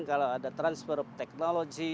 kalau ada transfer of technology